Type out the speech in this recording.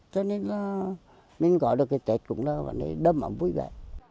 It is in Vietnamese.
cho nên là mình có được cái tết cũng là vẫn đầm ấm vui vẻ